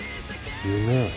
「夢」